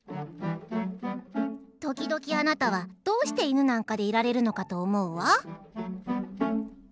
「時々あなたはどうして犬なんかでいられるのかと思うわ」。